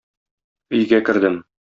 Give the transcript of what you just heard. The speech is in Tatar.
Өйгә кердем.